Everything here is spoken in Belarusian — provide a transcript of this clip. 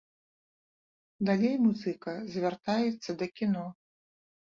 Далей музыка звяртаецца да кіно.